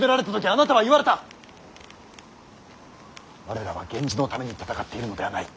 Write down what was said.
我らは源氏のために戦っているのではない。